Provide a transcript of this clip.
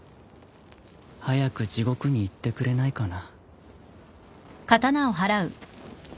早く地獄に行ってくれないかな。